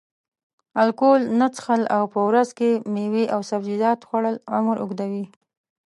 الکول نه څښل او په ورځ کې میوې او سبزیجات خوړل عمر اوږدوي.